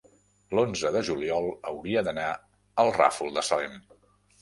L'onze de juliol hauria d'anar al Ràfol de Salem.